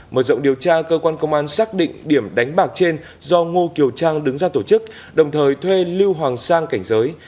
mở rộng điều tra cơ quan công an xác định điểm đánh bạc trên do ngô kiều trang đứng ra tổ chức đồng thời thuê lưu hoàng sang cảnh giới